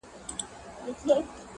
په وينو لژنده اغيار وچاته څه وركوي,